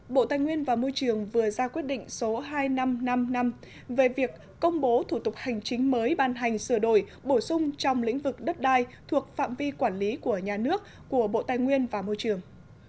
bộ tài nguyên và môi trường vừa ra quyết định số hai nghìn năm trăm năm mươi năm về việc công bố thủ tục hành chính mới ban hành sửa đổi bổ sung trong lĩnh vực đất đai thuộc phạm vi quản lý của nhà nước của bộ tài nguyên và môi trường